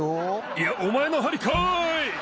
いやおまえのはりかい！